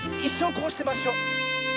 こうしてましょう。